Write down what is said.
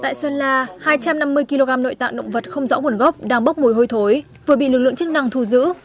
tại sơn la hai trăm năm mươi kg nội tạng động vật không rõ nguồn gốc đang bốc mùi hôi thối vừa bị lực lượng chức năng thu giữ